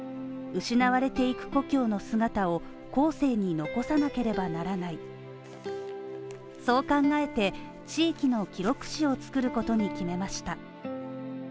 失われていく故郷の姿を後世に残さなければならないそう考えて、地域の記録誌を作ることに決めました。